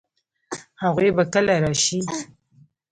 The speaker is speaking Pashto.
هغوی به کله راشي؟